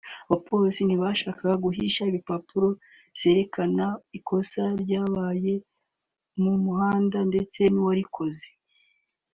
abapolisi ntibashobora guhisha impapuro zerekana ikosa ryabaye mu muhanda ndetse n’uwarikoze